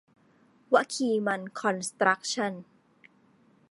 วะคีมันคอนสครัคชั่น